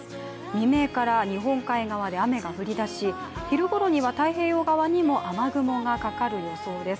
未明から日本海側で雨が降り出し、昼ごろには太平洋側にも雨雲がかかる予想です。